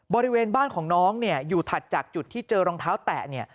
บริเวณบ้านของน้องเนี่ยอยู่ถัดจากจุดที่เจอรองเท้าแตะเนี่ย